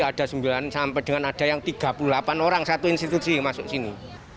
ada sembilan sampai dengan ada yang tiga puluh delapan orang satu institusi yang masuk sini